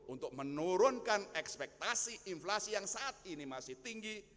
untuk menurunkan ekspektasi inflasi yang saat ini masih tinggi